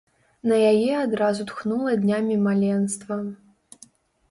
На яе адразу тхнула днямі маленства.